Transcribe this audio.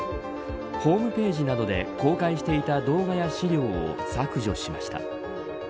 ホームページなどで公開していた動画や資料を削除しました。